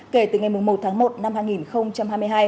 kể từ ngày một mươi một tháng một năm hai nghìn hai mươi hai